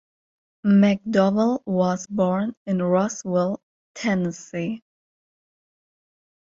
McDowell was born in Rossville, Tennessee.